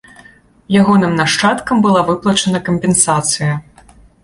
Ягоным нашчадкам была выплачана кампенсацыя.